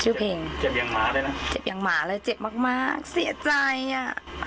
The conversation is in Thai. ชื่อเพลงเจ็บเอียงหมาด้วยนะเจ็บเอียงหมาเลยเจ็บมากมากเสียใจอ่ะ